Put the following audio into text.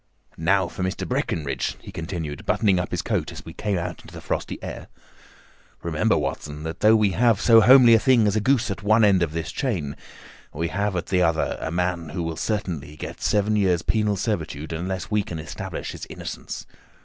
"Now for Mr. Breckinridge," he continued, buttoning up his coat as we came out into the frosty air. "Remember, Watson that though we have so homely a thing as a goose at one end of this chain, we have at the other a man who will certainly get seven years' penal servitude unless we can establish his innocence.